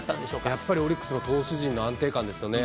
やっぱりオリックスの投手陣の安定感ですよね。